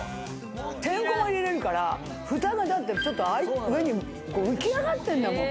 てんこ盛り入れるから、ふたがちょっと上に浮き上がってるんだもん。